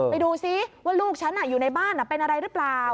ไปดูซิว่าลูกฉันอยู่ในบ้านเป็นอะไรหรือเปล่า